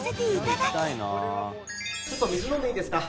「ちょっと水飲んでいいですか？」